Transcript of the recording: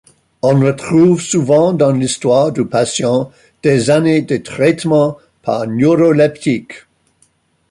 On retrouve souvent dans l'histoire du patient des années de traitements par neuroleptiques.